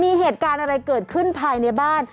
มีเหตุการณ์อะไรเกิดขึ้นภายในบ้าน